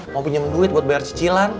mau pinjam duit buat bayar cicilan